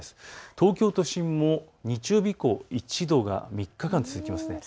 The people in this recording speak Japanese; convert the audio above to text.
東京都心も日曜日以降１度が３日間続きます。